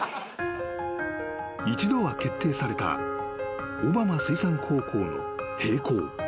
［一度は決定された小浜水産高校の閉校］